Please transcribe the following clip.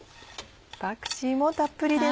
パクチーもたっぷりです。